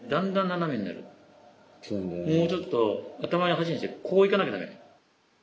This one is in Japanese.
もうちょっと頭の鉢に対してこういかなきゃダメ。